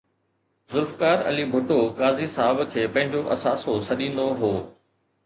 ذوالفقار علي ڀٽو قاضي صاحب کي پنهنجو اثاثو سڏيندو هو